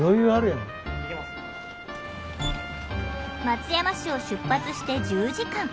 松山市を出発して１０時間。